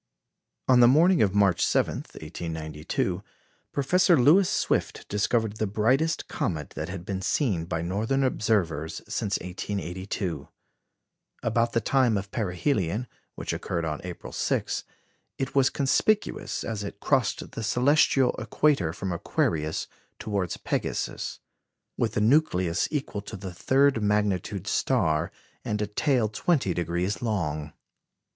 On the morning of March 7, 1892, Professor Lewis Swift discovered the brightest comet that had been seen by northern observers since 1882. About the time of perihelion, which occurred on April 6, it was conspicuous, as it crossed the celestial equator from Aquarius towards Pegasus, with a nucleus equal to a third magnitude star, and a tail twenty degrees long.